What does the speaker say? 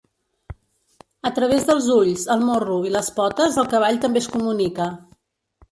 A través dels ulls, el morro i les potes el cavall també es comunica.